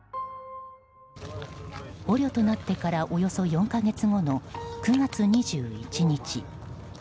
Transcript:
捕虜となってからおよそ４か月後の９月２１日。